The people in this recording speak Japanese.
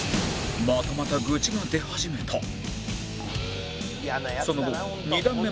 またまた愚痴が出始めた